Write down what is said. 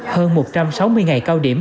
hơn một trăm sáu mươi ngày cao điểm